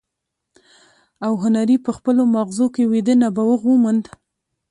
او هنري په خپلو ماغزو کې ويده نبوغ وموند.